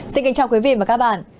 xin kính chào quý vị và các bạn